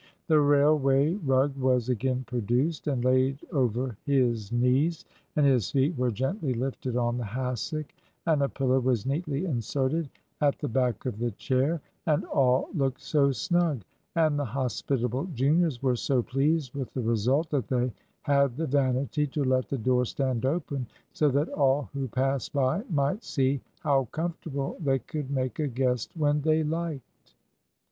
The railway rug was again produced and laid over his knees, and his feet were gently lifted on the hassock, and a pillow was neatly inserted at the back of the chair; and all looked so snug, and the hospitable juniors were so pleased with the result, that they had the vanity to let the door stand open, so that all who passed by might see how comfortable they could make a guest when they liked.